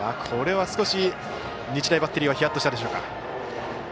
これは少し日大バッテリーはヒヤッとしたでしょうか。